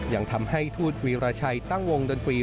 ยังทำให้ทูตวีรชัยตั้งวงดนตรี